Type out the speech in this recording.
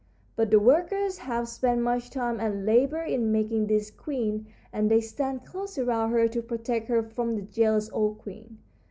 But the workers have spent much time and labor in making this queen, and they stand close around her to protect her from the jealous old queen.